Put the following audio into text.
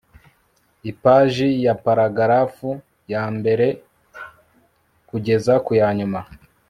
ipaji ya paragarafu yambere kugeza ku ya nyuma